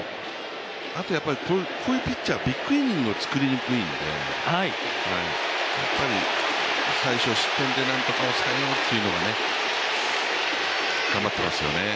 あとこういうピッチャーはビッグイニングを作りにくいので最少得点で何とか抑えるというのが頑張っていますよね。